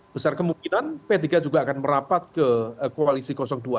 besar kemungkinan p tiga juga akan merapat ke koalisi dua